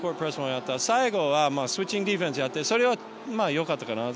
最後はスイッチングディフェンスをしてそれはよかったかな。